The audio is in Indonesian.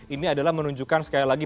ini adalah menunjukkan sekali lagi